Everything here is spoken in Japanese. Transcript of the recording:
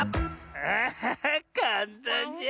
アハハかんたんじゃ。